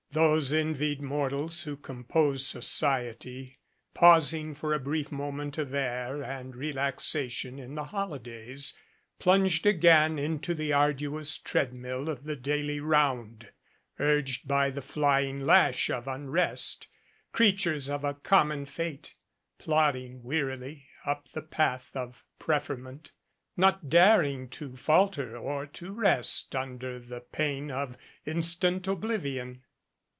Those envied mortals who compose society, pausing for a brief moment of air and relaxation in the holidays, plunged again into the arduous treadmill of the daily round, urged by the flying lash of unrest, creatures of a common fate, plodding wearily up the path of preferment, not daring to falter or to rest under the pain of instant oblivion.